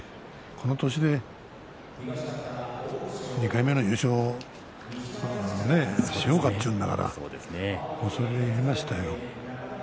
この年で２回目の優勝をしようかというんだから恐れ入りましたよ。